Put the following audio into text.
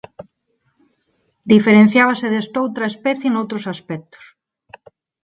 Diferenciábase desta outra especie noutros aspectos.